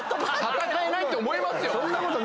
闘えないって思いますよ。